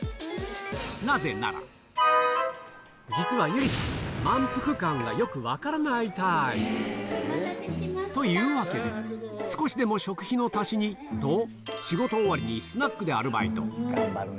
なぜなら、実は友梨さん、満腹感がよく分からないタイプ。というわけで、少しでも食費の足しにと、仕事終わりにスナックでアルバイト。